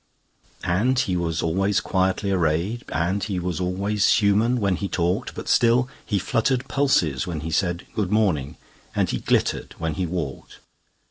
And he was always quietly arrayed, And he was always human when he talked; But still he fluttered pulses when he said, "Good morning," and he glittered when he walked.